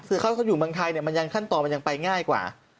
คือเขาอยู่เมืองไทยขั้นต่อมันยังไปง่ายกว่า